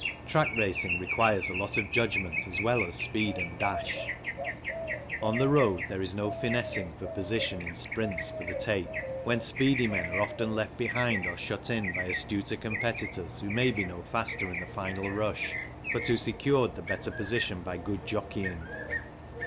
Track racing requires a lot of judgment as well as speed and dash. On the road there is no finessing for position in sprints for the tape, when speedy men are often left 70 THE CYCLE INDUSTRY behind or shut in by astuter competitors who may be no faster in the final rush but who secured the better position by good jockeying.